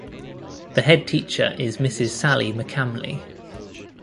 The Head Teacher is Mrs Sally McCamley.